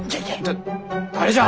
「だ誰じゃ？」。